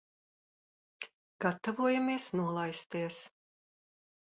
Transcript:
Gatavojamies nolaisties.